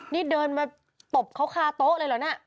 นี่เดินมาตบเขาคาโต๊ะเลยเหรอน่ะ